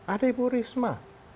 ada ibu risma